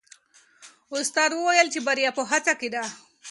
استاد وویل چې بریا په هڅه کې ده.